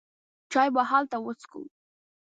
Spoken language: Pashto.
چای به هلته وڅېښو.